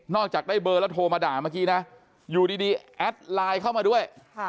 จากได้เบอร์แล้วโทรมาด่าเมื่อกี้นะอยู่ดีแอดไลน์เข้ามาด้วย